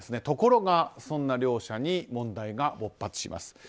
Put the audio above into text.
ところがそんな両者に問題が勃発します。